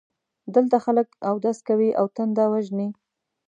دلته خلک اودس کوي او تنده وژني.